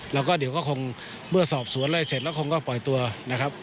แล้วก็เดี๋ยวก็คงเมื่อสอบสวนอะไรเสร็จแล้วคงก็ปล่อยตัวนะครับ